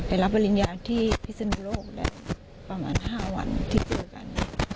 ไปรับปริญญาที่ภิษณุโลกได้ประมาณห้าวันที่เจอกัน